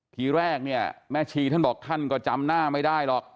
ทีแรกเนี่ยแม่ชีท่านบอกท่านก็จำหน้าไม่ได้หรอก